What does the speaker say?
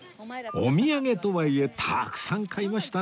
お土産とはいえたくさん買いましたね